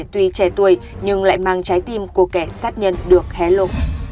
tuy trẻ tuổi nhưng lại mang trái tim của kẻ sát nhân được hé lộ